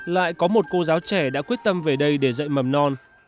lại có một cô giáo trẻ đã quyết tâm về đây để dạy mầm non